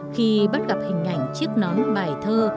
khi bắt gặp hình ảnh chiếc nón bài thơ